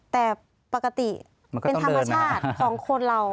แต่ปกติเป็นธรรมชาติของคนเรา